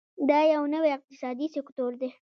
دا یو نوی اقتصادي سکتور دی.